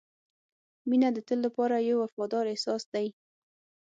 • مینه د تل لپاره یو وفادار احساس دی.